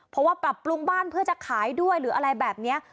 เพราะว่าปรับปรุงบ้านเพื่อจะขายด้วยหรืออะไรแบบนี้